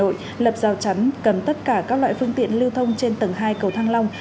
tổng cục đường bộ việt nam phối hợp giao chắn cầm tất cả các loại phương tiện lưu thông trên tầng hai cầu thăng long